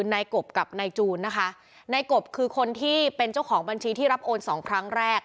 นายกบกับนายจูนนะคะนายกบคือคนที่เป็นเจ้าของบัญชีที่รับโอนสองครั้งแรก